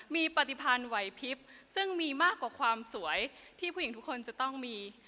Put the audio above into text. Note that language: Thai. มีปฏิพันธ์ไหวพลิบซึ่งมีมากกว่าความสวยที่ผู้หญิงทุกคนจะต้องมี